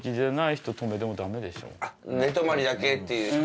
寝泊まりだけっていう人。